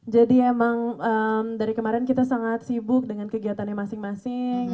emang dari kemarin kita sangat sibuk dengan kegiatannya masing masing